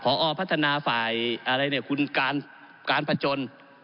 พอพัฒนาฝ่ายอะไรเนี่ยคุณการผจญ